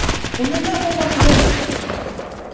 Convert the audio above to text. Үнэндээ хүн бүр хааяа гутарч цөхөрдөг.